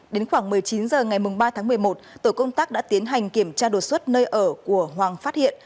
đến khoảng một mươi chín h ngày ba tháng một mươi một tổ công tác đã tiến hành kiểm tra đột xuất nơi ở của hoàng phát hiện